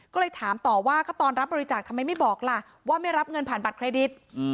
ก็เลยถามต่อว่าก็ตอนรับบริจาคทำไมไม่บอกล่ะว่าไม่รับเงินผ่านบัตรเครดิต